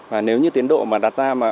và nếu như tiến độ mà đặt ra